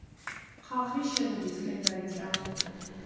ხალხი შენობისკენ დაიძრა.